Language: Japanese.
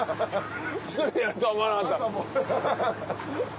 ・１人でやるとは思わなかった。